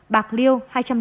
bạc liêu hai trăm linh sáu